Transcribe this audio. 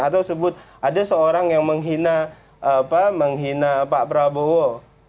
atau sebut ada seorang yang menghina pak prabowo